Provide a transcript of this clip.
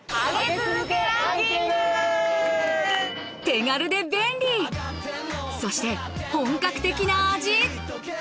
手軽で便利そして本格的な味